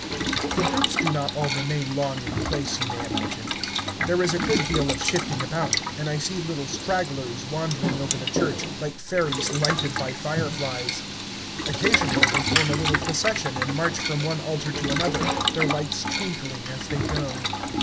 The groups do not all remain long in place, you may imagine; there is a good deal of shifting about, and I see little stragglers wandering over the church, like fairies lighted by fireflies. Occasionally they form a little procession and march from one altar to another, their lights twinkling as they go.